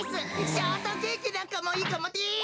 ショートケーキなんかもいいかもです。